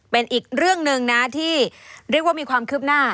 เป็นอีกเรื่องหนึ่งนะที่เรียกว่ามีความคืบหน้า